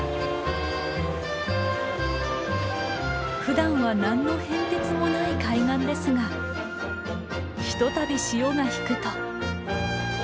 ふだんは何の変哲もない海岸ですがひとたび潮が引くと。